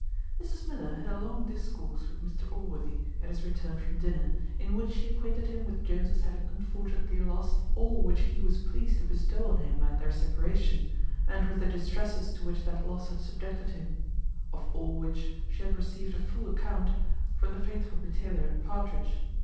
Mrs Miller had a long discourse with Mr Allworthy, at his return from dinner, in which she acquainted him with Jones's having unfortunately lost all which he was pleased to bestow on him at their separation; and with the distresses to which that loss had subjected him; of all which she had received a full account from the faithful retailer Partridge.